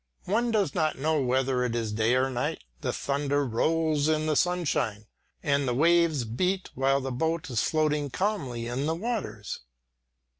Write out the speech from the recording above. One does not know whether it is day or night, the thunder rolls in the sunshine, and the weaves beat while the boat is floating calmly on the waters.